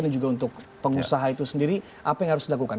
dan juga untuk pengusaha itu sendiri apa yang harus dilakukan